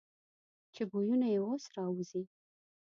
چې بویونه یې اوس را وځي.